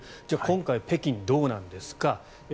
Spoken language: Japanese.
じゃあ今回北京どうなんですか。